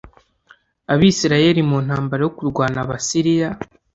Abisirayeli mu ntambara yo kurwana Abasiriya